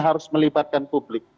harus melibatkan publik